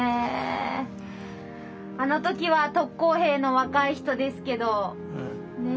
あの時は特攻兵の若い人ですけどね